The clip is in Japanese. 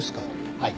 はい。